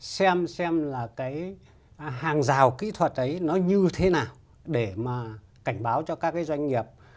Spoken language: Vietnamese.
xem xem là cái hàng rào kỹ thuật ấy nó như thế nào để mà cảnh báo cho các cái doanh nghiệp